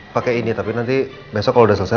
pakai ini tapi nanti besok kalo udah selesai